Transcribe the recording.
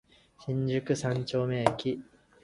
新宿三丁目駅